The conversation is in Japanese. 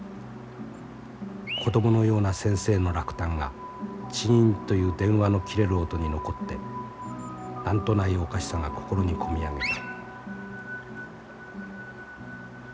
子供のような先生の落胆がチンという電話の切れる音に残って何とないおかしさが心に込み上げた」。